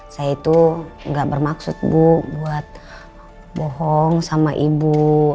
saya itu gak bermaksud bu buat bohong sama ibu